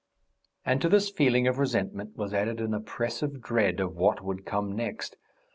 And to this feeling of resentment was added an oppressive dread of what would come next.